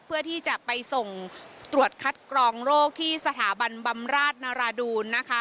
เพื่อที่จะไปส่งตรวจคัดกรองโรคที่สถาบันบำราชนราดูนนะคะ